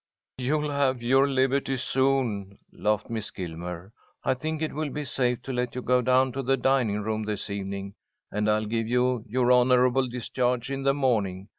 "You'll have your liberty soon," laughed Miss Gilmer. "I think it will be safe to let you go down to the dining room this evening, and I'll give you your honourable discharge in the morning.